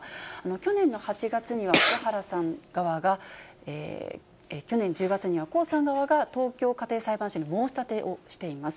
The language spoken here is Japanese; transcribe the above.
去年の８月には福原さん側が、去年１０月には、江さん側が、東京家庭裁判所に申し立てをしています。